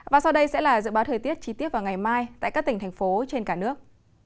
và sau đây sẽ là dự báo thời tiết chi tiết vào ngày mai tại các tỉnh thành phố trên cả nước